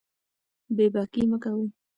بې باکي مه کوئ.